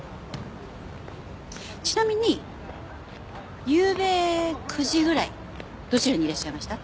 ちなみにゆうべ９時ぐらいどちらにいらっしゃいました？